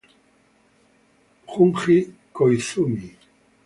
Junji Koizumi